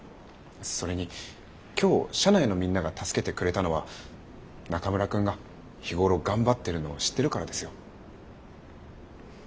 それに今日社内のみんなが助けてくれたのは中村くんが日頃頑張ってるのを知ってるからですよ。